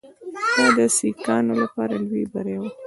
دا د سیکهانو لپاره لوی بری وو.